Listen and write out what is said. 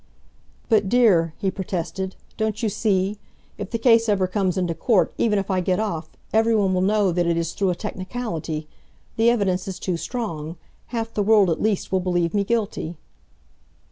"But, dear," he protested, "don't you see? If the case ever comes into court, even if I get off, every one will know that it is through a technicality. The evidence is too strong. Half the world at least will believe me guilty."